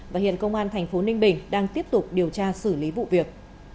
và hiện công an thành phố ninh bình đang tiếp tục điều tra xử lý vụ việc